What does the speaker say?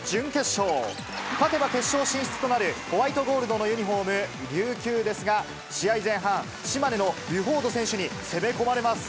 勝てば決勝進出となる、ホワイトゴールドのユニホーム、琉球ですが、試合前半、島根のビュフォード選手に攻め込まれます。